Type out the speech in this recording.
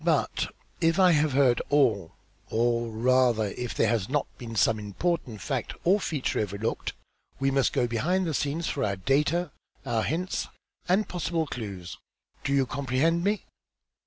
But, if I have heard all, or, rather, if there has not been some important fact or feature overlooked, we must go behind the scenes for our data, our hints and possible clues. Do you comprehend me?"